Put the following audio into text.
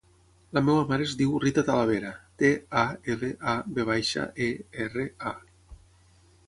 La meva mare es diu Rita Talavera: te, a, ela, a, ve baixa, e, erra, a.